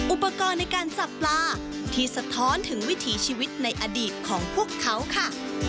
อุปกรณ์ในการจับปลาที่สะท้อนถึงวิถีชีวิตในอดีตของพวกเขาค่ะ